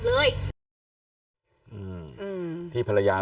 เดี๋ยวลองฟังดูนะครับ